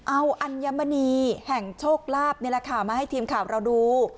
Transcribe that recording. เอาอัญมณีแห่งโชคลาภนี่แหละค่ะมาให้ทีมข่าวเราดู